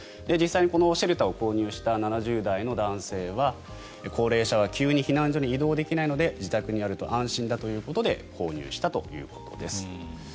実際にこのシェルターを購入した７０代の男性は高齢者は急に避難所に移動できないので自宅にあると安心だということで購入したということです。